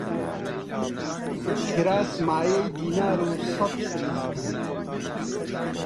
کراس مایەی دینار و سەت فلس بوو